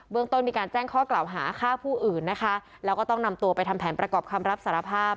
ต้นมีการแจ้งข้อกล่าวหาฆ่าผู้อื่นนะคะแล้วก็ต้องนำตัวไปทำแผนประกอบคำรับสารภาพ